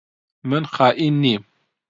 من خائین نیم.